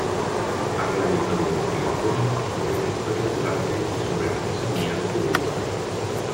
Ha realizado investigaciones sobre historia del arte y sobre artesanía uruguaya.